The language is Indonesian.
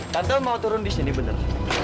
tante mau turun di sini benar